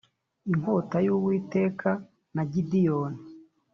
Inkota y Uwiteka na Gideyoni